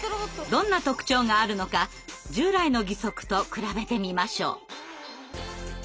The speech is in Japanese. どんな特徴があるのか従来の義足と比べてみましょう。